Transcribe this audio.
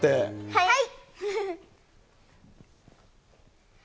はい。